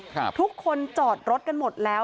ทุกคนจอดรถกันหมดแล้ว